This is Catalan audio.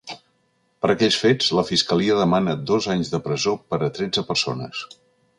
Per aquells fets, la fiscalia demana dos anys de presó per a tretze persones.